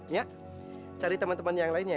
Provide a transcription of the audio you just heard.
mia cari temen temen yang lainnya ya